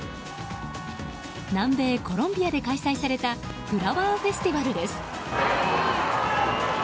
南米コロンビアで開催されたフラワーフェスティバルです。